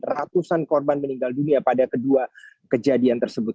ratusan korban meninggal dunia pada kedua kejadian tersebut